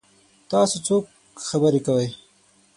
تاسو څوک خبرې کوئ؟